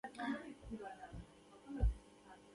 بادي انرژي د افغان کلتور په داستانونو کې راځي.